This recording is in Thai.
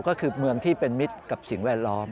ก็คือเมืองที่เป็นมิตรกับสิ่งแวดล้อม